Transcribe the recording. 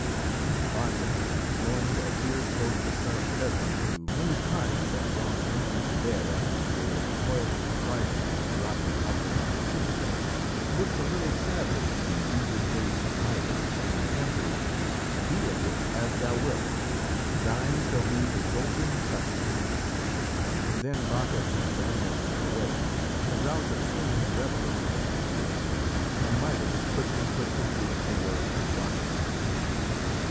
And Bacchus, knowing that here spoke the son of peasants who many times had gone empty to bed after a day of toilful striving on the rocky uplands of Phrygia, looked a little sadly in the eager face of Midas, and answered: "Be it as thou wilt. Thine shall be the golden touch." Then Bacchus and Silenus went away, a rout of singing revellers at their heels, and Midas quickly put to proof the words of Bacchus.